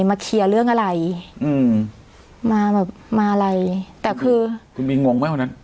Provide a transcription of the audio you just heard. มาเคลียร์เรื่องอะไรอืมมาแบบมาอะไรแต่คือคุณมีงงไหมวันนั้น